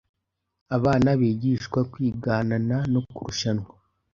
abana bigishwa kwiganana no kurushanwa